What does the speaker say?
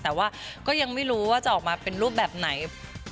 แต่ว่าก็ยังไม่รู้ว่าจะออกมาเป็นรูปแบบไหน